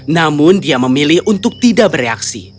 namun dia memilih untuk tidak bereaksi